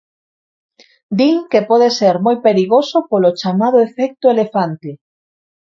Din que pode ser moi perigoso polo chamado efecto elefante.